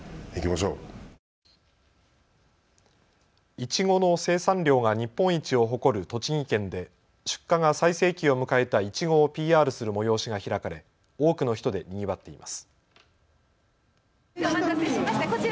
いちごの生産量が日本一を誇る栃木県で出荷が最盛期を迎えたいちごをＰＲする催しが開かれ多くの人でにぎわっています。